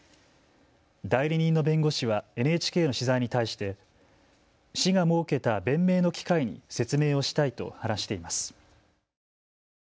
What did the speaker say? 代理人の弁護士はＮＨＫの取材に対して市が設けた弁明の機会に説明をしたいと話しています。